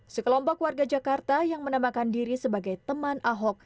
sekelompok warga jakarta yang menamakan diri sebagai teman ahok